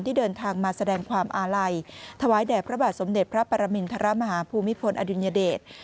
เดินทางมาแสดงความอาลัยถวายแด่พระบาทสมเด็จพระปรมินทรมาฮภูมิพลอดุลยเดช